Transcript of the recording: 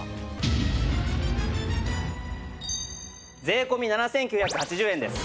税込７９８０円です。